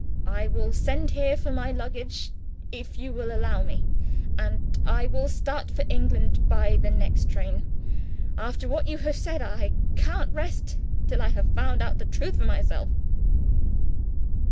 I will send here for my luggage, if you will allow me and I will start for England by the next train. After what you have said, I can't rest till I have found out the truth for myself."